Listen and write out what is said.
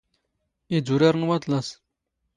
ⵉⴷⵓⵔⴰⵔ ⵏ ⵡⴰⵟⵍⴰⵙ.